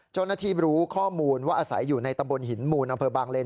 เจ้าหน้าที่รู้ข้อมูลว่าอาศัยอยู่ในตำบลหินมูลอำเภอบางเลน